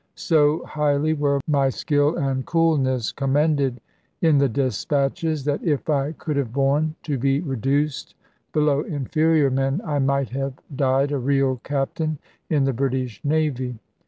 So highly were my skill and coolness commended in the despatches, that if I could have borne to be reduced below inferior men, I might have died a real Captain in the British Navy.